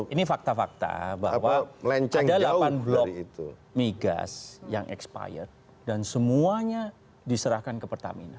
ini fakta fakta bahwa ada delapan blok migas yang expired dan semuanya diserahkan ke pertamina